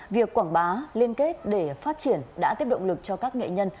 việc quảng bá liên kết để phát triển đã tiếp động lực cho các nghệ nhân